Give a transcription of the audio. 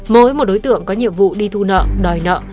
mỗi một đối tượng có nhiệm vụ đi thu nợ đòi nợ